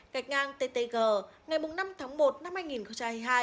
gạch ngang ttg ngày năm tháng một năm hai nghìn hai mươi hai